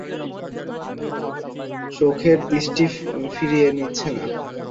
চোখের দৃষ্টিও ফিরিয়ে নিচ্ছে না।